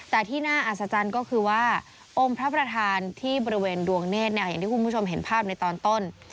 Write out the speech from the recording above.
แต่ที่น่าอัศจรรย์ก็คือว่าองค์พระประธานที่บริเวณดวงเนธอย่างที่คุณผู้ชมเห็นภาพในตอนต้น